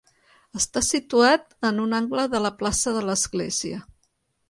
Està situat en un angle de la plaça de l'església.